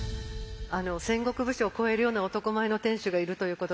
戦国武将を超えるような男前の店主がいるということで。